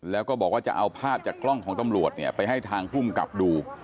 แล้วก็บอกว่าจะเอาภาพจากกล้องของตำรวจเนี่ยไปให้ทางภูมิกับดู